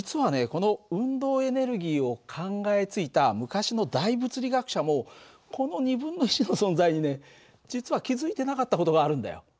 この運動エネルギーを考えついた昔の大物理学者もこのの存在にね実は気付いてなかった事があるんだよ。